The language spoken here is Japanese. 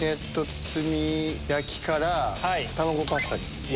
包み焼きから、たまごパスタに。